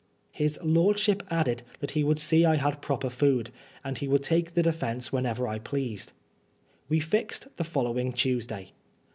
'' His lordship added that he would see I had proper food, and he would take the defence whenever I pleased. We fixed the following Tuesday.